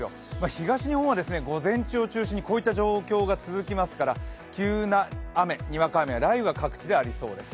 東日本は午前中を中心にこういった状況が続きますから急なにわか雨や雷雨が各地でありそうです。